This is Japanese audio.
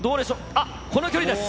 あっ、この距離です。